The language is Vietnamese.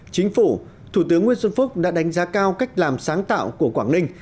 chính phủ thủ tướng nguyễn xuân phúc đã đánh giá cao cách làm sáng tạo của quảng ninh